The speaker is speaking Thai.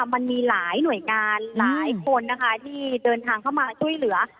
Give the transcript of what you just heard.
มันมีหลายหน่วยงานหลายคนนะคะที่เดินทางเข้ามาช่วยเหลือ